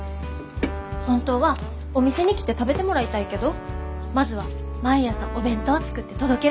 本当はお店に来て食べてもらいたいけどまずは毎朝お弁当を作って届けることにした。